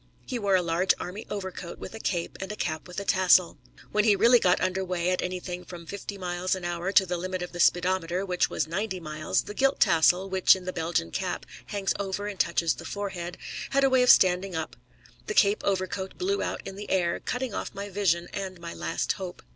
He wore a large army overcoat with a cape and a cap with a tassel. When he really got under way at anything from fifty miles an hour to the limit of the speedometer, which was ninety miles, the gilt tassel, which in the Belgian cap hangs over and touches the forehead, had a way of standing up; the cape overcoat blew out in the air, cutting off my vision and my last hope.